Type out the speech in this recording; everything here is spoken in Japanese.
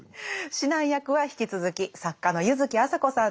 指南役は引き続き作家の柚木麻子さんです。